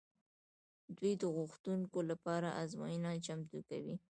دوی د غوښتونکو لپاره ازموینه چمتو کوي.